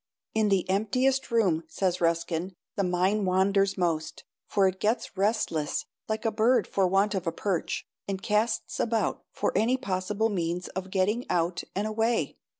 "In the emptiest room," says Ruskin, "the mind wanders most, for it gets restless like a bird for want of a perch, and casts about for any possible means of getting out and away.